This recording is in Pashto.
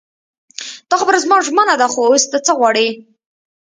دا خبره زما ژمنه ده خو اوس ته څه غواړې.